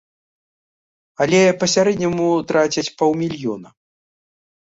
Але па сярэдняму трацяць паўмільёна.